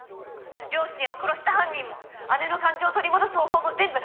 両親を殺した犯人も姉の感情を取り戻す方法も全部。